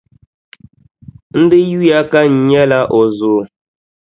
N di yuya ka n nyɛla o zo.